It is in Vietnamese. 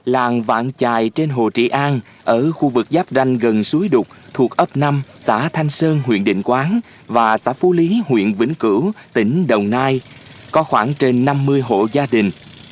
làng vạn trài trên hồ trị an ở khu vực giáp ranh gần suối đục thuộc ấp năm xã thanh sơn huyện định quán và xã phú lý huyện vĩnh cửu tỉnh đồng nai có khoảng trên năm mươi hộ gia đình